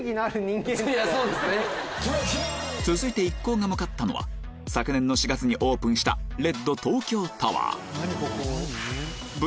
続いて一行が向かったのは昨年の４月にオープンした充実！